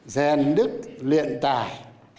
rèn đức luyện tài